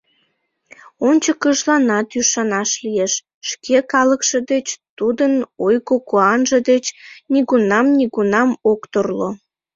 Ончыкыжланат ӱшанаш лиеш: шке калыкше деч, тудын ойго-куанже деч нигунам-нигунам ок торло.